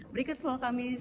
berikut vlog kami sampai jumpa